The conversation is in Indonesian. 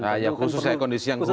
nah ya khusus ya kondisi yang khusus ya